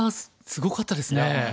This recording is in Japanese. すごかったです。